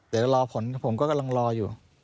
เดี๋ยวรอผลครับผมก็กำลังรออยู่